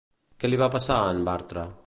Què li va passar a en Bartra?